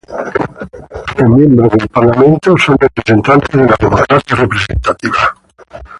Los miembros del Parlamento son representantes de la democracia representativa.